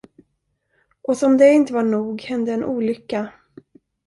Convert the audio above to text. Och som det inte var nog hände en olycka.